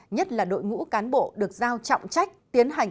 nhất là đội ngũ cán bộ được giao trọng trách tiến hành